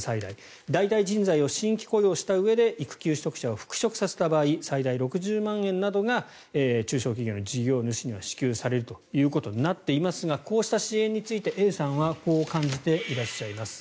代替人材を新規雇用したうえで育休取得者を復職させた場合最大６０万円などが中小企業の事業主には支給されるということになっていますがこうした支援についてＡさんはこう感じていらっしゃいます。